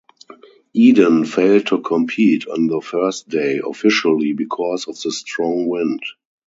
Eden failed to compete on the first day, officially because of the strong wind.